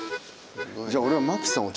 じゃあ俺は真木さんを。